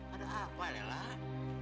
ada apa lelelat